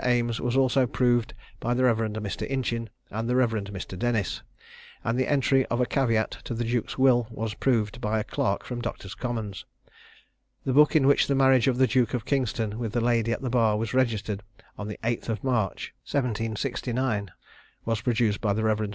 Ames was also proved by the Rev. Mr. Inchin and the Rev. Mr. Dennis; and the entry of a caveat to the duke's will was proved by a clerk from Doctors' Commons. The book in which the marriage of the Duke of Kingston with the lady at the bar was registered on the 8th of March, 1769, was produced by the Rev. Mr.